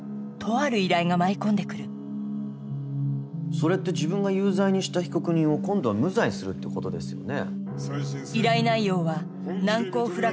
それって自分が有罪にした被告人を今度は無罪にするってことですよね？